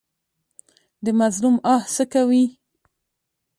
د مظلوم آه څه کوي؟